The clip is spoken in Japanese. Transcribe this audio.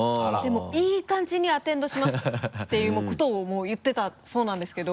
いい感じにアテンドしますっていうことを言ってたそうなんですけど。